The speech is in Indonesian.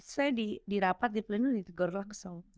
saya di rapat di pleno di tegur lakso